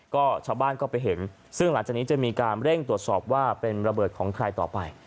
ก็ชาวบ้านก็ไปเห็นซึ่งหลังจากนี้จะมีการเร่งตรวจสอบว่าเป็นระเบิดของใครต่อไป